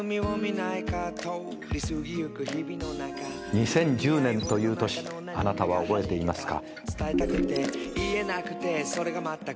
２０１０年という年あなたは覚えていますか？